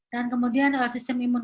dan kemudian sistem imun